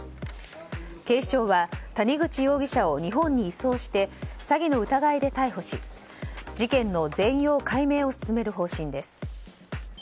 警視庁は谷口容疑者を日本に移送して詐欺の疑いで逮捕し事件の全容解明を進める方針です。